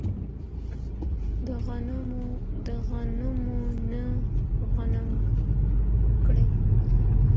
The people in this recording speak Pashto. د غنمو نه غنم کيږي.